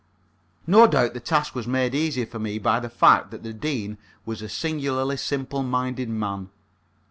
No doubt the task was made easier for me by the fact that the Dean was a singularly simple minded man.